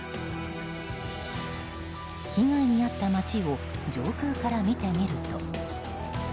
被害に遭った街を上空から見てみると。